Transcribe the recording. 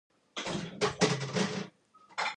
Other stories use different structures.